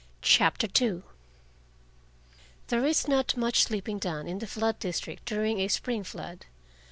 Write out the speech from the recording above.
CHAPTER II There is not much sleeping done in the flood district during a spring flood.